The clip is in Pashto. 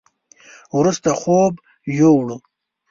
وروسته خوب يوووړ.